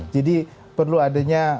jadi perlu adanya